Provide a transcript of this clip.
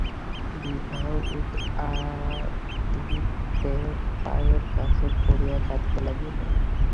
বিভা উদয়াদিত্যের পায়ের কাছে পড়িয়া কাঁদিতে লাগিল।